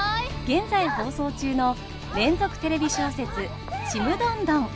現在放送中の連続テレビ小説「ちむどんどん」。